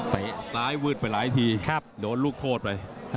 ซ้ายวืดไปหลายทีโดนลูกโทษไป